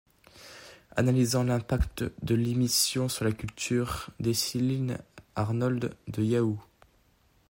Analysant l'impact de l'émission sur la culture, Dessylyn Arnold de Yahoo!